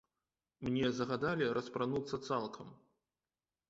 Мне загадалі распрануцца цалкам.